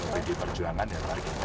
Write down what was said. pergi perjuangan ya